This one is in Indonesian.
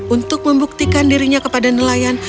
untuk membuktikan dirinya kepada nelayan